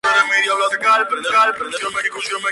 Ever After High es considerada apta para todo el público.